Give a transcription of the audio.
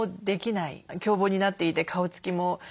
狂暴になっていて顔つきも悪い。